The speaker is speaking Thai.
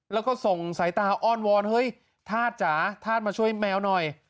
แล้วก็ส่งสายตาอ้อนวอนเฮ้ยธาตุจ๋าธาตุมาช่วยแมวหน่อย